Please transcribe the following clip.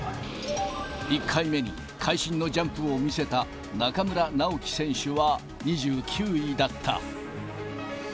１回目に会心のジャンプを見せた中村直幹選手は２９位だった。